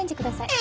え！